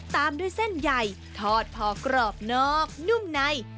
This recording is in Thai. ตามด้วยเส้นใหญ่ทอดพอกรอบนอกนุ่มใน